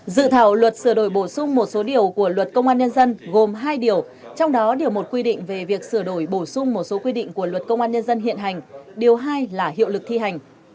dự thảo luật sửa đổi bổ sung một số điều của luật công an nhân dân gồm hai điều trong đó điều một quy định về việc sửa đổi bổ sung một số quy định của luật công an nhân dân hiện hành điều hai là hiệu lực thi hành